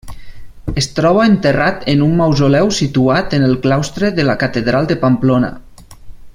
Es troba enterrat en un mausoleu situat en el claustre de la catedral de Pamplona.